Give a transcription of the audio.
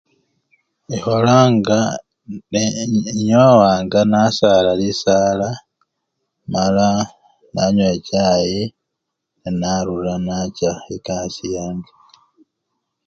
Ekholanga ne@ ne@ enyowanga nasala lisala mala nanywa echai nenarura nacha ekasii yange.